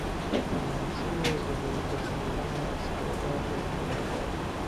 به منصهی ظهور رساندن استعداد خداداد